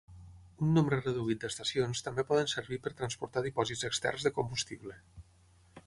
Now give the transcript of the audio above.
Un nombre reduït d'estacions també poden servir per transportar dipòsits externs de combustible.